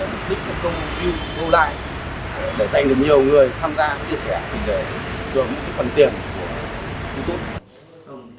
đưa một clip một câu view câu like để dành được nhiều người tham gia chia sẻ tìm kiếm những phần tiền của ngô ba khá